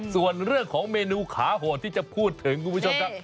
ส่วนเรื่องของเมนูขาโหดที่จะพูดถึงคุณผู้ชมครับ